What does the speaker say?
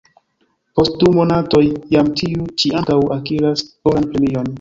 Post du monatoj jam tiu ĉi ankaŭ akiras oran premion.